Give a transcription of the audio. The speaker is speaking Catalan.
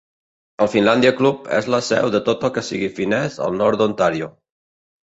El Finlandia Club és la seu de tot el que sigui finès al nord d'Ontario.